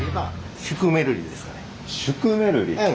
シュクメルリ？